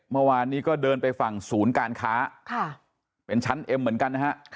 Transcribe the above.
เมื่อวานนี้ก็เดินไปฝั่งศูนย์การค้าเป็นชั้นเอ็มเหมือนกันนะฮะ